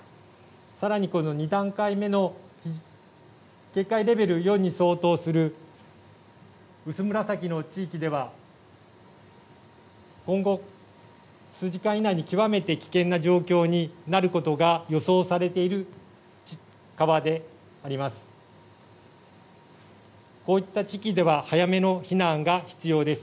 更にこの２段階目の警戒レベル４に相当する薄紫の地域では今後、数時間以内に極めて危険な状況になることが予想されている川であります。